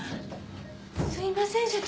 すいません社長。